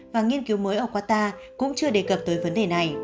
và nghiên cứu mới ở qatar cũng chưa đề cập tới vấn đề này